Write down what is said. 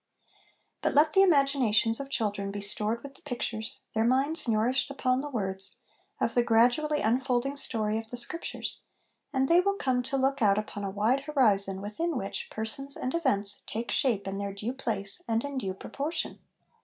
But let the imaginations of children be stored with the pictures, their minds nourished upon the words, of the gradually unfolding story of the Scriptures, and they will come to look out upon a wide horizon within which persons and events take shape in their due place and in due proportion.